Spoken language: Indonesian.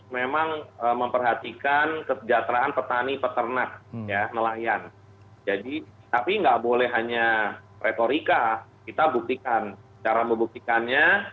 memang memperhatikan kesejahteraan petani peternak ya nelayan jadi tapi nggak boleh hanya retorika kita buktikan cara membuktikannya